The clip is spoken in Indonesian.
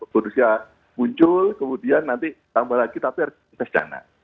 bonusnya muncul kemudian nanti tambah lagi tapi harus tes dana